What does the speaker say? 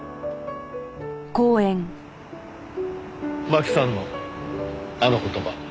真紀さんのあの言葉。